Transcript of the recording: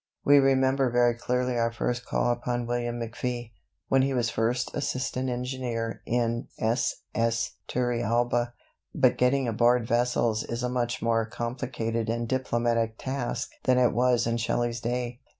We remember very clearly our first call upon William McFee, when he was First Assistant Engineer in S.S. Turrialba. But getting aboard vessels is a much more complicated and diplomatic task than it was in Shelley's day.